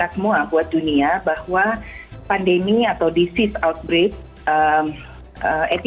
selamat malam mepi